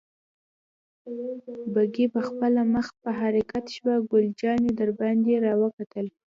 بګۍ پخپله مخ په حرکت شوه، ګل جانې دباندې را وکتل.